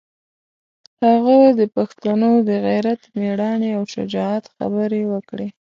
هغه د پښتنو د غیرت، مېړانې او شجاعت خبرې وکړې.